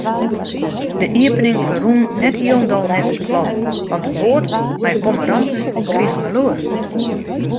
De iepening ferrûn net hielendal neffens plan, want de boat mei pommeranten krige maleur.